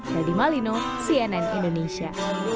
jadi malino cnn indonesia